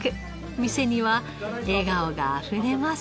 店には笑顔があふれます。